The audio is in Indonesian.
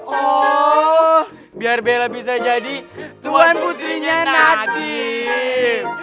oh biar bela bisa jadi tuan putrinya natif